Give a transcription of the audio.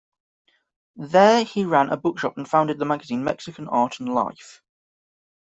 There he ran a bookshop and founded the magazine "Mexican Art and Life".